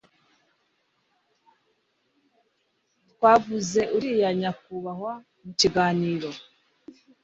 Twavuze uriya nyakubahwa mu kiganiro